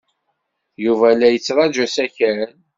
Yuba la yettṛaju asakal.